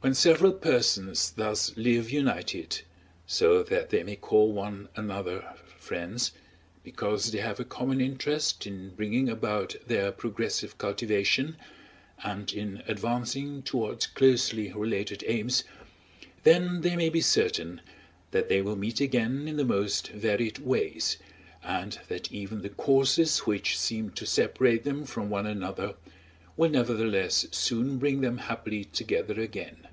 When several persons thus live united, so that they may call one another friends, because they have a common interest in bringing about their progressive cultivation and in advancing towards closely related aims, then they may be certain that they will meet again in the most varied ways, and that even the courses which seemed to separate them from one another will nevertheless soon bring them happily together again.